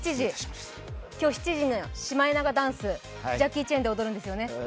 今日、７時のシマエナガダンス、ジャッキー・チェンで踊るんですよね。